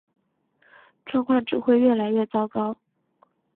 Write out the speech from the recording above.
状况只会越来越糟糕